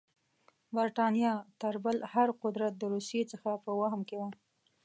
برټانیه تر بل هر قدرت د روسیې څخه په وهم کې وه.